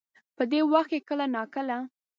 په دې وخت کې کله نا کله